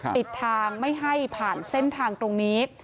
ปิดทางไม่ให้ผ่านเส้นทางตรงนี้